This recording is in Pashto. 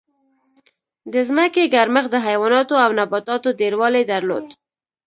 د ځمکې ګرمښت د حیواناتو او نباتاتو ډېروالی درلود.